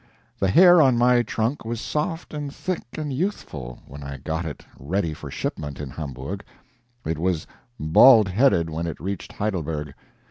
The hair on my trunk was soft and thick and youthful, when I got it ready for shipment in Hamburg; it was baldheaded when it reached Heidelberg.